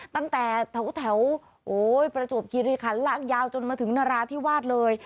ตั้งแต่แถวประจวบคิริคันลากยาวจนมาถึงนราธิวาสเลย